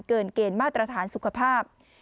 เกินเกณฑ์มาตรฐานสุขภาพ